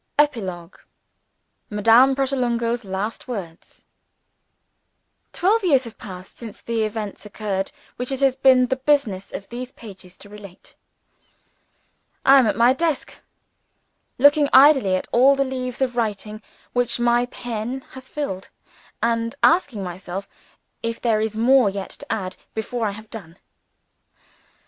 EPILOGUE Madame Pratolungo's Last Words TWELVE years have passed since the events occurred which it has been the business of these pages to relate. I am at my desk; looking idly at all the leaves of writing which my pen has filled, and asking myself if there is more yet to add, before I have done.